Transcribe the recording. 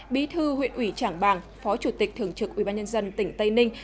bí thư huyện ủy trảng bàng phó chủ tịch thường trực ủy ban nhân dân tỉnh tây ninh